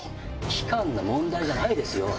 期間の問題じゃないですよ。